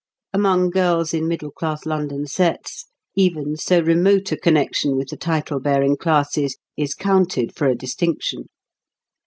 Among girls in middle class London sets, even so remote a connection with the title bearing classes is counted for a distinction.